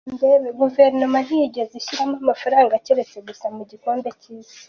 Guverinoma ntiyigeze ishyiramo amafaranga keretse gusa mu gikombe cy’isi.